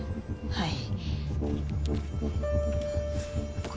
はい。